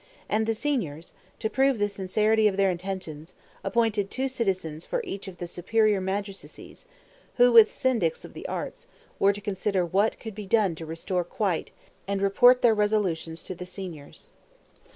And the Signors, to prove the sincerity of their intentions, appointed two citizens for each of the superior magistracies, who, with Syndics of the arts, were to consider what could be done to restore quite, and report their resolutions to the Signors.